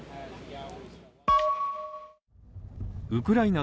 ウクライナ